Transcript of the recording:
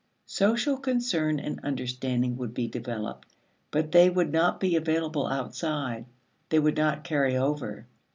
Social concern and understanding would be developed, but they would not be available outside; they would not carry over.